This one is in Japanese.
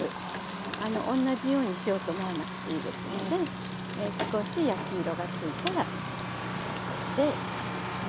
同じようにしようと思わなくていいですので少し焼き色がついたらこれでいいですね。